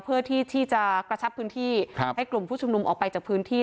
เพื่อที่จะกระชับพื้นที่ให้กลุ่มผู้ชุมนุมออกไปจากพื้นที่